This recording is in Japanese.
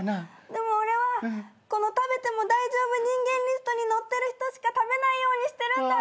でも俺はこの食べても大丈夫人間リストに載ってる人しか食べないようにしてるんだ！